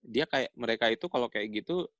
dia kayak mereka itu kalau kayak gitu